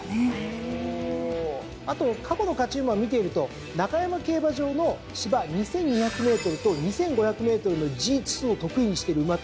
あと過去の勝ち馬を見ていると中山競馬場の芝２，２００ｍと２，５００ｍのＧⅡを得意にしてる馬っていうのが意外といるんですよ。